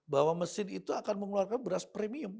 bahwa mesin itu akan mengeluarkan beras premium